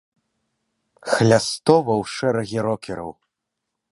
Хлястова ў шэрагі рокераў!